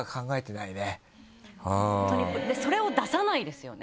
本当にそれを出さないですよね。